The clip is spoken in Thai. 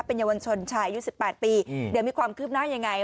เป็นเยาวัญชนชายยุทธิ์สิบแปดปีเดี๋ยวมีความคืบหน้ายังไง